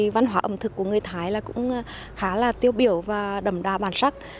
văn hóa ẩm thực của người thái là cũng khá là tiêu biểu và đầm đa bản sắc